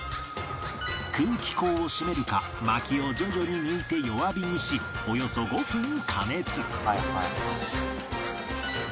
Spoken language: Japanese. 空気口を閉めるか薪を徐々に抜いて弱火にしおよそ５分加熱